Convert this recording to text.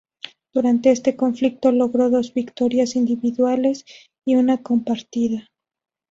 Durante este conflicto logró dos victorias individuales y una compartida.